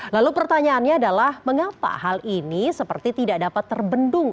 lalu pertanyaannya adalah mengapa hal ini seperti tidak dapat terbendung